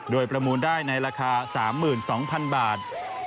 โดยประมูลได้ในราคา๓๒๐๐๐บาท